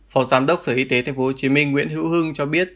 phó giám đốc sở y tế tp hcm nguyễn hữu hưng cho biết